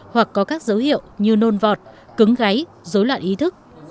hoặc có các dấu hiệu như nôn vọt cứng gáy dối loạn ý thức